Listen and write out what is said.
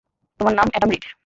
তোমার নাম Adam read.